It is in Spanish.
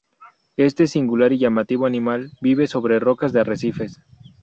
Este singular y llamativo animal vive sobre rocas de arrecifes.